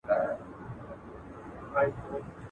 زه د جانان میني پخوا وژلې ومه.